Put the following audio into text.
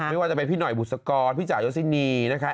ไม่ว่าจะเป็นพี่หน่อยบุษกรพี่จ่ายศินีนะคะ